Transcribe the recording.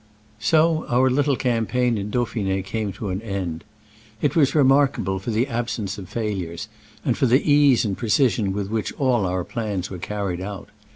So our little campaign in Dauphine came to an end. It was remarkable for the absence of failures, and for the ease and precision with which all our plans were carried out.